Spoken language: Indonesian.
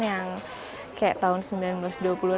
yang kayak tahun seribu sembilan ratus dua puluh an